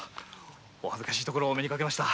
お恥ずかしいところをお目にかけました。